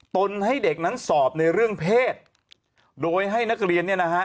นให้เด็กนั้นสอบในเรื่องเพศโดยให้นักเรียนเนี่ยนะฮะ